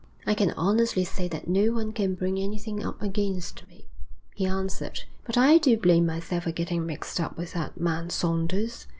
'I can honestly say that no one can bring anything up against me,' he answered. 'But I do blame myself for getting mixed up with that man Saunders.